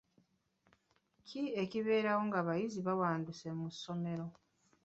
Ki ekibeerawo ng'abayizi bawanduse mu ssomero?